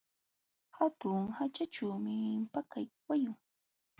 Hatun haćhachuumi pakay wayun.